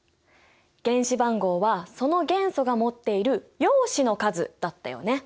原子番号はその元素が持っている陽子の数だったよね。